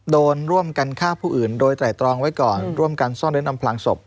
โดนร่วมกันฆ่าผู้อื่นโดยไตรตรองไว้ก่อนร่วมกันซ่อนเน้นอำพลางศพ